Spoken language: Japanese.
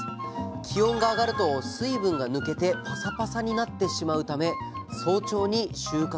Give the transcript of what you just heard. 気温が上がると水分が抜けてパサパサになってしまうため早朝に収穫するそうです